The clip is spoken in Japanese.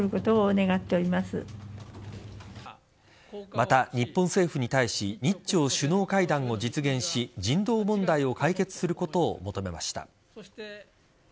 また、日本政府に対し日朝首脳会談を実現し人道問題を解決することを求めました。